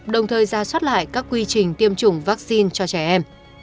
đồng thời ra soát lại các quy trình tiêm chủng vaccine cho trẻ em